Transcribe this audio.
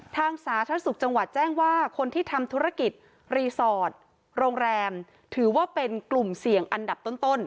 สาธารณสุขจังหวัดแจ้งว่าคนที่ทำธุรกิจรีสอร์ทโรงแรมถือว่าเป็นกลุ่มเสี่ยงอันดับต้น